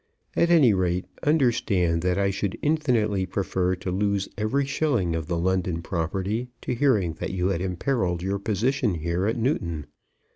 At any rate, understand that I should infinitely prefer to lose every shilling of the London property to hearing that you had imperilled your position here at Newton.